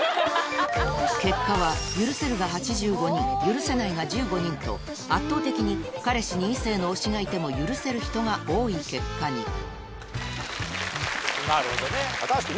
結果は許せるが８５人許せないが１５人と圧倒的に彼氏に異性の推しがいても許せる人が多い結果になるほどね。